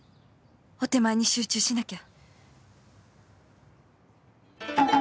お点前に集中しなきゃ